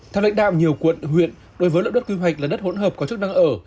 theo lệnh đạo nhiều quận huyện đối với lợi đất quy hoạch là đất hỗn hợp có chức năng ở